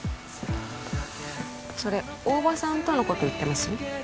それ大庭さんとのこと言ってます？